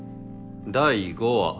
「第５話。